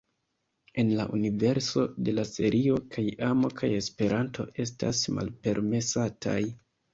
En la universo de la serio kaj amo kaj Esperanto estas malpermesataj.